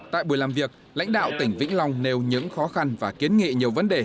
tại buổi làm việc lãnh đạo tỉnh vĩnh long nêu những khó khăn và kiến nghị nhiều vấn đề